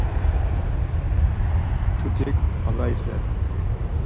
Mtutik Alaise!